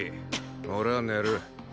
俺は寝る。